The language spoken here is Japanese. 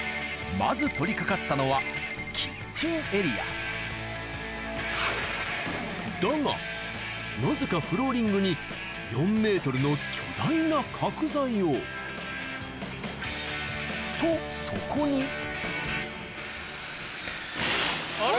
まず取り掛かったのはキッチンエリアだがなぜかフローリングに４ｍの巨大な角材をとそこにあれ！